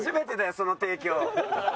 その提供。